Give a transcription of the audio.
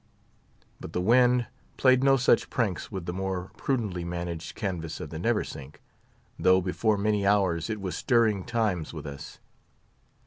But the wind played no such pranks with the more prudently managed canvas of the Neversink, though before many hours it was stirring times with us.